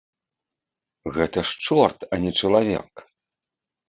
Гэта ж чорт, а не чалавек.